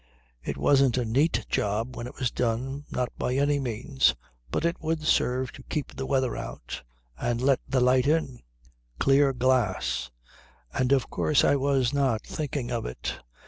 It wasn't a neat job when it was done, not by any means, but it would serve to keep the weather out and let the light in. Clear glass. And of course I was not thinking of it.